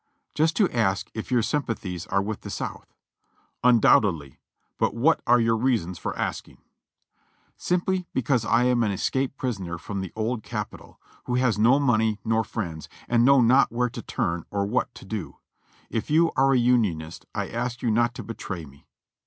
"Just to ask if your sympathies are with the South." "Undoubtedly; but what are your reasons for asking?" "Simply because I am an escaped prisoner from the Old Capi tol, who has no money nor friends, and know not where to turn or what to do. If you are a Unionist I ask you not to betray me."